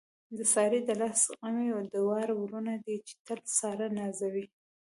د سارې د لاس غمي دواړه وروڼه دي، چې تل ساره نازوي.